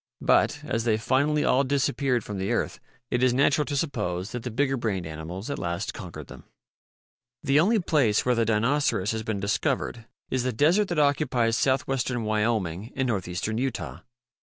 But, as they finally all disappeared from the earth, it is natural to suppose that the bigger brained animals at last conquered them. The only place where the Dinoceras has been discovered is the desert that occupies southwestern THE LITTLE BRAINED DINOCERAS 91 Wyoming and northeastern Utah.